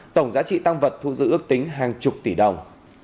tổng giá trị tăng vật thu giữ ước tính hàng chục tỷ đồng